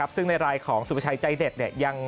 ซึ่งในรายของสุประชัยใจเด็ด